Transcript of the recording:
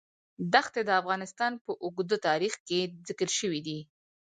دښتې د افغانستان په اوږده تاریخ کې ذکر شوی دی.